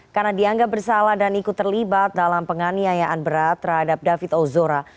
karena dianggap bersalah dan ikut terlibat dalam penganiayaan berat terhadap david ozora